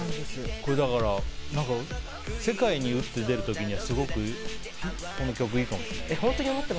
だから世界に打って出る時にはすごくこの曲いいかもしれないね。